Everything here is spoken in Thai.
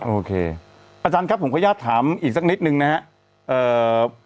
โอเคอาจารย์ครับผมขออนุญาตถามอีกสักนิดนึงนะครับ